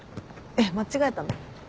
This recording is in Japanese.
えっ間違えたの？